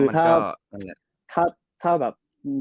คือถ้าแบบ